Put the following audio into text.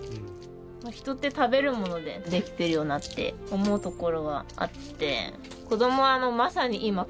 人って食べるものでできてるよなって思うところはあって。